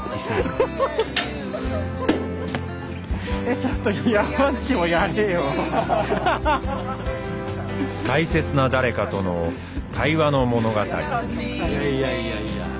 ちょっと大切な誰かとの「対話の物語」。